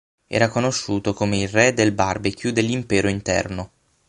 Era conosciuto come il re del Barbecue dell'Impero Interno.